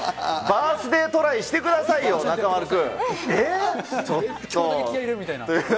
バースデートライしてくださいよ、中丸君。